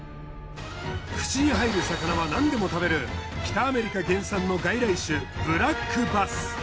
口に入る魚はなんでも食べる北アメリカ原産の外来種ブラックバス。